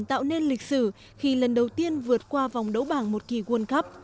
tạo nên lịch sử khi lần đầu tiên vượt qua vòng đấu bảng một kỳ world cup